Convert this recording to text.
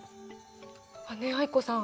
ねえ藍子さん